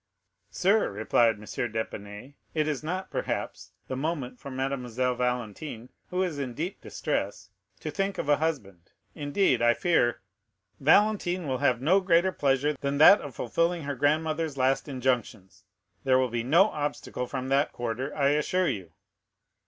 "Sir," replied M. d'Épinay, "it is not, perhaps, the moment for Mademoiselle Valentine, who is in deep distress, to think of a husband; indeed, I fear——" 40028m "Valentine will have no greater pleasure than that of fulfilling her grandmother's last injunctions; there will be no obstacle from that quarter, I assure you."